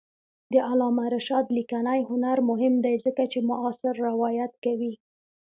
د علامه رشاد لیکنی هنر مهم دی ځکه چې معاصر روایت کوي.